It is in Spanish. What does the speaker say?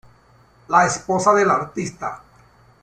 La esposa del artista